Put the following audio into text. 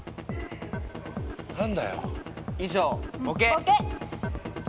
何だよ？